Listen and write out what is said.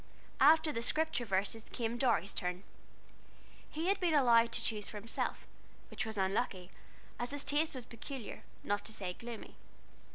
After the "Scripture Verses," came Dorry's turn. He had been allowed to choose for himself, which was unlucky, as his taste was peculiar, not to say gloomy.